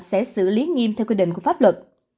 sẽ xử lý nghiêm theo quy định của pháp luật